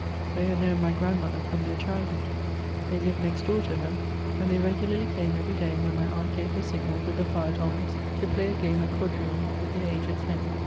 They had known my grandmother from their childhood ; they lived next door to ^her, and they regularly came every day when my aunt gave her signal with the fire tongs, to play a game at quadrille with their aged friend.